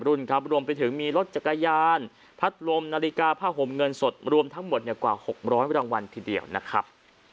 รุ่นครับรวมไปถึงมีรถจักรยานพัดลมนาฬิกาผ้าห่มเงินสดรวมทั้งหมดกว่า๖๐๐รางวัลทีเดียวนะครับ